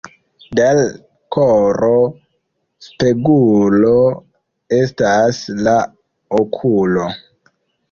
De l' koro spegulo estas la okulo.